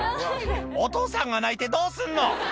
お父さんが泣いてどうすんの！